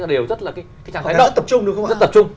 đều rất là tập trung